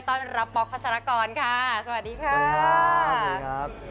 ต้อนรับบอกภาษาลากรค่ะสวัสดีค่ะสวัสดีครับ